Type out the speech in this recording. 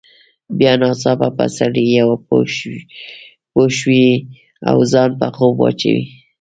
بیا ناڅاپه سړی پوه شي او ځان په خوب واچوي.